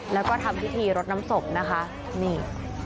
แล้วก็ทำที่ที่รสน้ำสมนะคะนี่